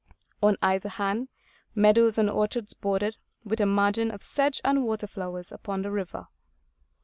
On either hand, meadows and orchards bordered, with a margin of sedge and water flowers, upon the river.